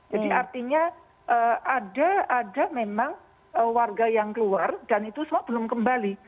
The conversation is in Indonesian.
jadi artinya ada ada memang warga yang keluar dan itu semua belum kembali